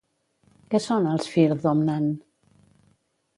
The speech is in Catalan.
Què són els Fir Domnann?